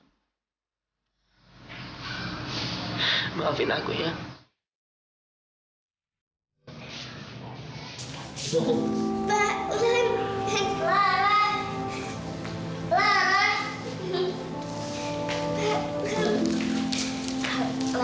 jadi kalau ada there are no ajanya disini eleven apa yang kamu inginkan